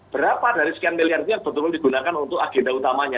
berapa dari sekian miliar itu yang betul betul digunakan untuk agenda utamanya